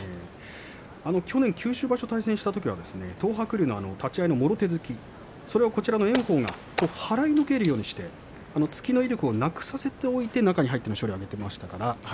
去年、九州場所対戦したときは東白龍立ち合い、もろ手突きそれを炎鵬が払いのけるようにして突きの威力をなくさせておいて中に入ってきました。